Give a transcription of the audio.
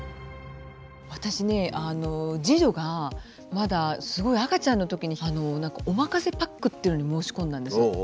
私ね次女がまだすごい赤ちゃんのときに何かおまかせパックっていうのに申し込んだんです。